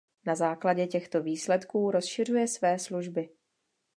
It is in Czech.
Na základě těchto výsledků rozšiřuje své služby.